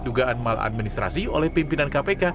dugaan mal administrasi oleh pimpinan kpk